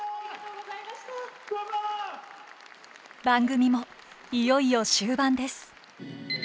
番組もいよいよ終盤です。